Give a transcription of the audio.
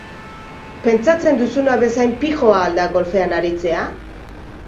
Pentsatzen duzuna bezain pijoa al da golfean aritzea?